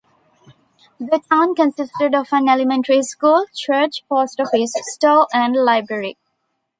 The town consisted of an elementary school, church, post office, store, and library.